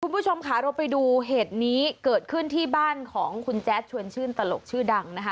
คุณผู้ชมค่ะเราไปดูเหตุนี้เกิดขึ้นที่บ้านของคุณแจ๊ดชวนชื่นตลกชื่อดังนะคะ